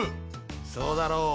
そうだろう。